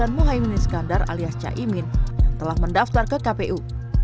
dan mohaimin iskandar alias caimin yang telah mendaftar ke kpu